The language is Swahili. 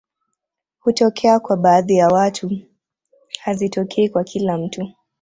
Hutokea kwa baadhi ya watu hazitokei kwa kila mtu